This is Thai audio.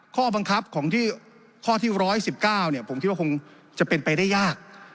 ข้อบังคับของที่ข้อที่ร้อยสิบเก้าเนี่ยผมคิดว่าคงจะเป็นไปได้ยาก